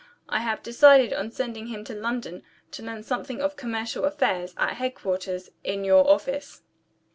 I have decided on sending him to London, to learn something of commercial affairs, at headquarters, in your office.